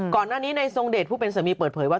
ก่อนหน้านี้ในทรงเดชผู้เป็นสามีเปิดเผยว่า